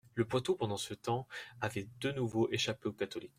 Le Poitou, pendant ce temps, avait de nouveau échappé aux catholiques.